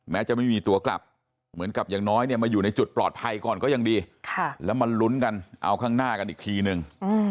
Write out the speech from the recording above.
จะไม่มีตัวกลับเหมือนกับอย่างน้อยเนี่ยมาอยู่ในจุดปลอดภัยก่อนก็ยังดีแล้วมาลุ้นกันเอาข้างหน้ากันอีกทีนึง